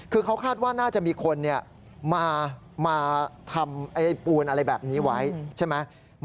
คือเขาคาดว่าน่าจะมีคนมาทำปูนอะไรแบบนี้ไว้ใช่ไหม